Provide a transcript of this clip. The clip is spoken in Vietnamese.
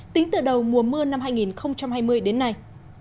tính từ đầu mùa mưa năm hai nghìn hai mươi đến nay